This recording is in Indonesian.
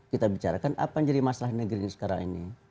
kita bicarakan apa yang jadi masalah negeri sekarang ini